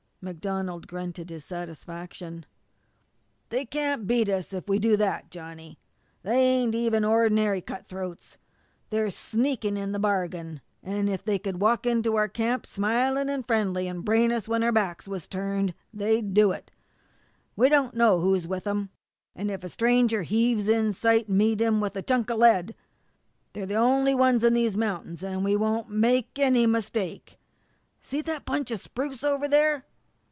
MacDonald grunted his satisfaction. "They can't beat us if we do that, Johnny. They ain't even ordinary cut throats they're sneaks in the bargain; an' if they could walk in our camp, smilin' an' friendly, and brain us when our backs was turned, they'd do it. We don't know who's with them, and if a stranger heaves in sight meet him with a chunk o' lead. They're the only ones in these mountains, an' we won't make any mistake. See that bunch of spruce over there?"